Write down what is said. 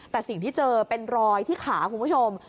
แต่สิ่งที่เจอเป็นรอยที่ขาคุณผู้ชม